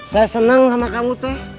saya senang sama kamu tuh